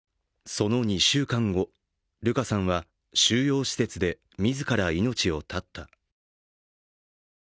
その２週間後、ルカさんは収容施設で自ら命を絶った。